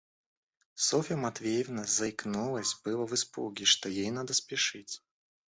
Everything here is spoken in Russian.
Софья Матвеевна заикнулась было в испуге, что ей надо спешить.